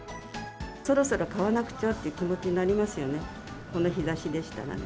そろそろ買わなくちゃという気持ちになりますよね、この日ざしでしたら。